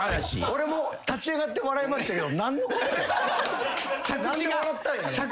俺も立ち上がって笑いましたけど。